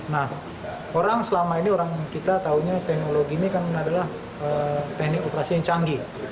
nah orang selama ini orang kita tahunya teknologi ini kan adalah teknik operasi yang canggih